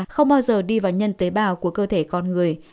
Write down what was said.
không bao giờ đi vào nhân tế bào của cơ thể con người